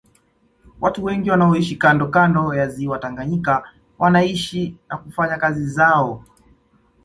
Watu wengi wanaoishi kando kando ya Ziwa Tanganyika wanaishi na kufanya kazi zao